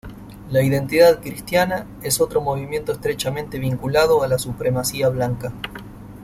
La Identidad Cristiana es otro movimiento estrechamente vinculado a la supremacía blanca.